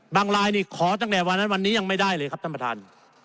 ลายนี่ขอตั้งแต่วันนั้นวันนี้ยังไม่ได้เลยครับท่านประธาน